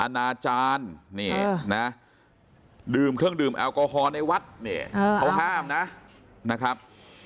อนาจารย์ดื่มเครื่องดื่มแอลกอฮอล์ในวัดเขาห้ามนะครับ